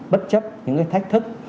bất chấp những cái thách thức